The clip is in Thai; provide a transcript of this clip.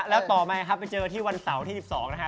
แล้วต่อมาครับไปเจอที่วันเสาร์ที่๑๒นะฮะ